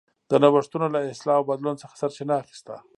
د نوښتونو له اصلاح او بدلون څخه سرچینه اخیسته.